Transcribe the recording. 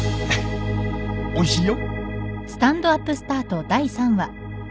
おいしいよ。